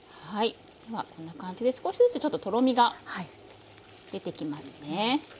こんな感じで少しずつちょっととろみが出てきますね。